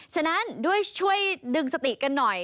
ฉะนั้นด้วยช่วยดึงสติกันหน่อย